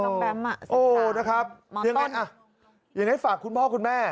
น้องแป๊บอ่ะโอ้นะครับอย่างไรโอ้หน้าต้อนยังไงฝากคุณพ่อคุณแม่